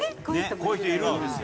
こういう人いるんですよ。